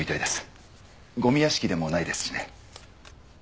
ゴミ屋敷でもないですしね。